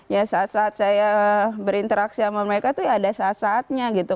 ya saat saat saya berinteraksi sama mereka tuh ya ada saat saatnya gitu